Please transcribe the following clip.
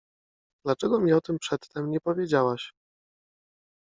— Dlaczego mi o tym przedtem nie powiedziałaś?